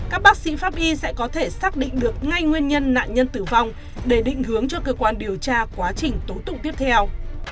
các bác sĩ pháp y sẽ có thể xác định được ngay nguyên nhân nạn nhân tử vong để định hướng cho cơ quan điều tra quá trình tố tụng tiếp theo